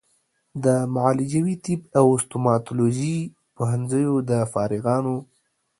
د معالجوي طب او ستوماتولوژي پوهنځیو د فارغانو